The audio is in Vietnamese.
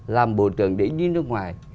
làm bộ trưởng để đi nước ngoài